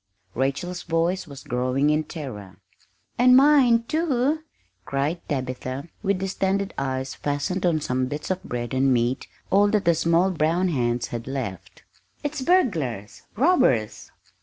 Rachel's voice was growing in terror. "And mine, too!" cried Tabitha, with distended eyes fastened on some bits of bread and meat all that the small brown hands had left. "It's burglars robbers!"